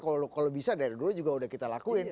kalau bisa dari dulu juga udah kita lakuin